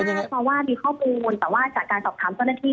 เพราะว่ามีข้อมูลแต่ว่าจากการสอบถามเจ้าหน้าที่